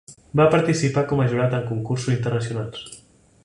Va participar com a jurat en concursos internacionals.